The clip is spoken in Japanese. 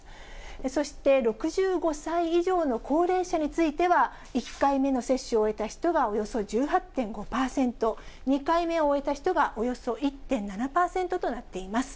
そして６５歳以上の高齢者については、１回目の接種を終えた人がおよそ１８．５％、２回目を終えた人がおよそ１．７％となっています。